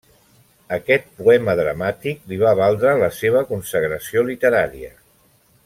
Aquest poema dramàtic li va valdre la seva consagració literària.